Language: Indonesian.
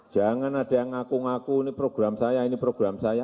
jangan ada yang ngaku ngaku ini program saya ini program saya